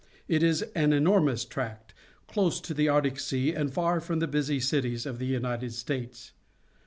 It is an enormous tract, close to the Arctic Sea, and far from the busy cities of the United States.